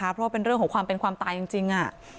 เพราะว่าเป็นเรื่องของความเป็นความตายจริง